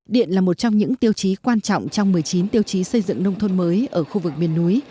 điện là một trong những tiêu chí quan trọng trong một mươi chín tiêu chí xây dựng nông thôn mới ở khu vực miền núi